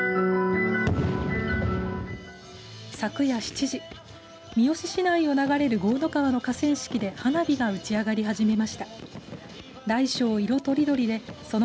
昨夜７時三次市内を流れる江の川の河川敷で花火が打ち上がりました。